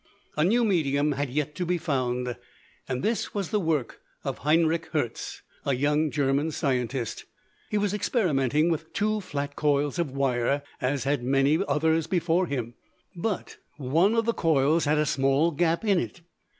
A new medium had yet to be found, and this was the work of Heinrich Hertz, a young German scientist. He was experimenting with two flat coils of wire, as had many others before him, but one of the coils had a small gap in it.